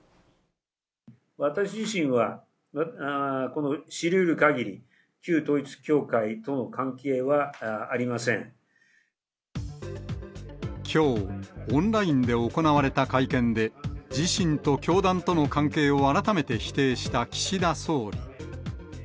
私自身は、知りうるかぎり、きょう、オンラインで行われた会見で、自身と教団との関係を改めて否定した岸田総理。